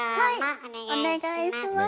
お願いします。